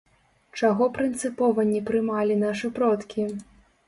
Чаго прынцыпова не прымалі нашы продкі?